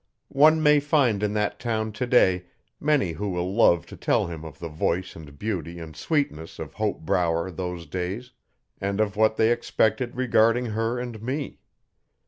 One may find in that town today many who will love to tell him of the voice and beauty and sweetness of Hope Brower those days, and of what they expected regarding her and me.